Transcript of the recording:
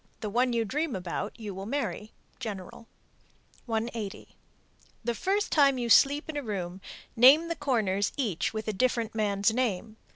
The one you dream about you will marry. General. 180. The first time you sleep in a room name the corners each with a different (man's) name.